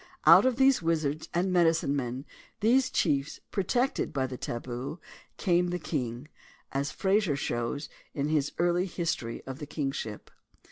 Out of these wizards and medicine men, these chiefs protected by the "tabu," came the king, as Mr. Frazer shows in his Early History of the Kingship.